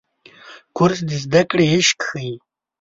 کورس د زده کړې عشق ښيي.